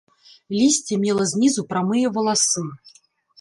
Лісце мела знізу прамыя валасы.